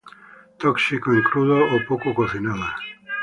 Tóxico en crudo o poco cocinada.